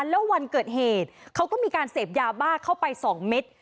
แล้ววันเกิดเหตุเขาก็มีการเสพยาบ้าเข้าไป๒เม็ด